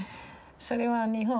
それは日本